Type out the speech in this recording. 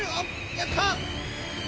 やった！